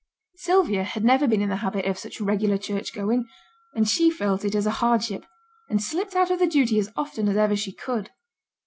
Sylvia had never been in the habit of such regular church going, and she felt it as a hardship, and slipped out of the duty as often as ever she could.